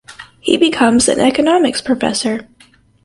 He becomes an economics professor.